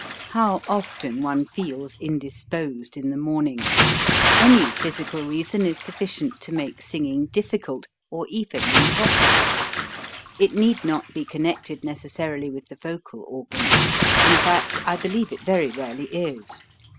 How often one feels indisposed in the morning ! Any physical reason is sufficient to make singing difficult, or even impossible; it need not be connected necessarily with the vocal organs; in fact, I believe it very rarely is.